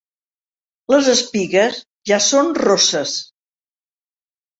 Les espigues ja són rosses.